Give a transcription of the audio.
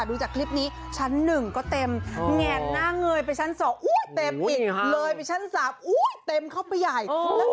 ดูจากคลิปนี้ชั้น๑ก็เต็มแง่นหน้าเงย